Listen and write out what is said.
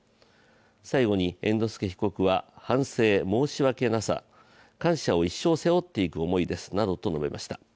最後に猿之助被告は反省、申しわけなさ、感謝を一生背負っていく思いですなどと述べました。